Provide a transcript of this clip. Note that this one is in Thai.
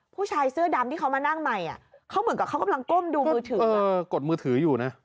ผู้ชายเสื้อดำที่มานั่งใหม่เขากำลังกดมือถือ